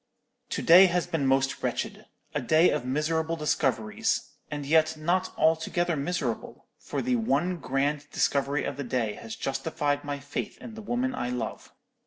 "To day has been most wretched—a day of miserable discoveries; and yet not altogether miserable, for the one grand discovery of the day has justified my faith in the woman I love.